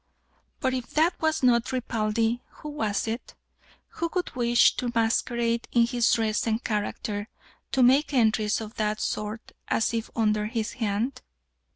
"But if that was not Ripaldi, who was it? Who would wish to masquerade in his dress and character, to make entries of that sort, as if under his hand?"